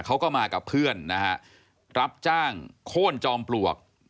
เขาก็มากับเพื่อนนะฮะรับจ้างโค้นจอมปลวก